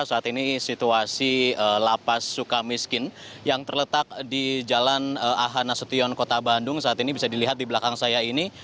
saat ini situasi lapas suka miskin yang terletak di jalan ahanasution kota bandung saat ini bisa dilihat di belakang saya ini